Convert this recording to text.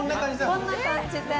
こんな感じで。